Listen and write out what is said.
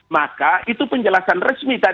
maka itu penjelasan resmi tadi